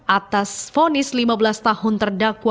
atas fonis lima belas tahun terdakwa